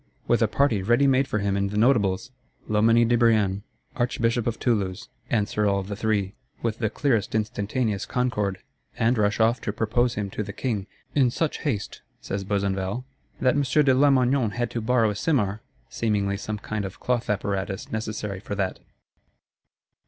With a party ready made for him in the Notables?—Loménie de Brienne, Archbishop of Toulouse! answer all the three, with the clearest instantaneous concord; and rush off to propose him to the King; "in such haste," says Besenval, "that M. de Lamoignon had to borrow a simarre," seemingly some kind of cloth apparatus necessary for that.